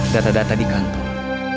data data di kantor